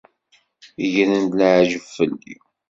Gren-d leεǧeb fell-i.